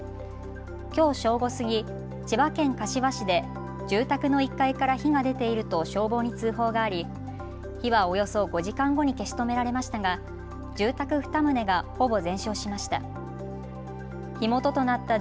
きょう正午過ぎ、千葉県柏市で住宅の１階から火が出ていると消防に通報があり火はおよそ５時間後に消し止められましたが住宅２棟がほぼ全焼しました。